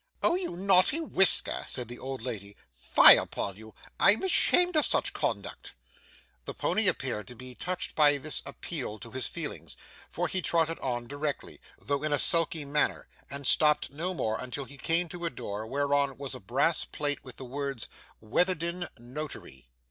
'Oh you naughty Whisker,' said the old lady. 'Fie upon you! I'm ashamed of such conduct.' The pony appeared to be touched by this appeal to his feelings, for he trotted on directly, though in a sulky manner, and stopped no more until he came to a door whereon was a brass plate with the words 'Witherden Notary.